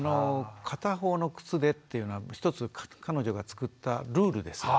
片方の靴でっていうのは一つ彼女が作ったルールですよね。